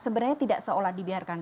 sebenarnya tidak seolah dibiarkan